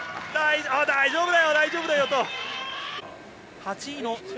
大丈夫だよ、大丈夫だよと。